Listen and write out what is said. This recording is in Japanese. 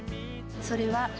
「それは」